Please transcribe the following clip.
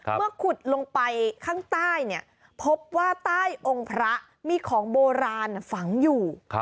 ขุดลงไปข้างใต้พบว่าใต้องค์พระมีของโบราณฝังอยู่